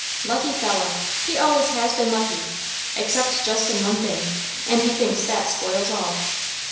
Lucky fellow! he always has been lucky; except just in one thing; and he thinks that spoils all.